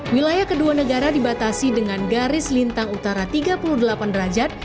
wilayah kedua negara dibatasi dengan garis lintang utara tiga puluh delapan derajat